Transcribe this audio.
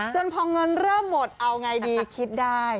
จนพอเงินเริ่มหมดเอาไงดีคิดได้